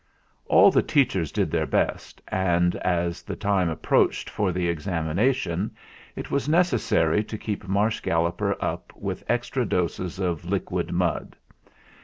All the teachers did their best, and as the time approached for the examination it was necessary to keep Marsh Galloper up with ex tra doses of liquid mud.